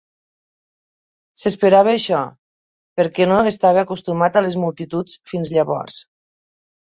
S"esperava això, perquè no estava acostumat a les multituds fins llavors.